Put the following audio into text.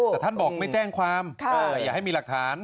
แต่ท่านบอกไม่แจ้งความแต่อย่าให้มีหลักฐาน